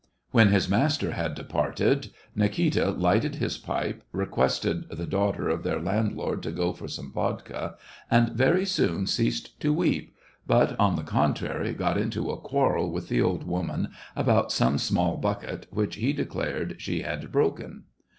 When his master had de parted, Nikita lighted his pipe, requested the daughter of their landlord to go for some vodka, and very soon ceased to weep, but, on the con trary, got into a quarrel with the old woman about some small bucket, which, he declared, she had broken.